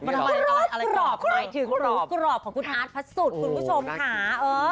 มาถึงผูกรอบของคุณฮาร์ดผสุทธิ์คุณผู้ชมขา